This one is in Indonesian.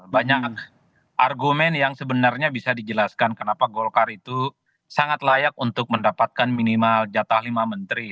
banyak argumen yang sebenarnya bisa dijelaskan kenapa golkar itu sangat layak untuk mendapatkan minimal jatah lima menteri